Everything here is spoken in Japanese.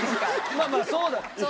まあまあそうだ。